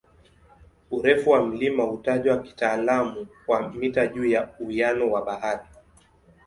Urefu wa mlima hutajwa kitaalamu kwa "mita juu ya uwiano wa bahari".